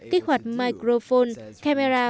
kích hoạt microphone camera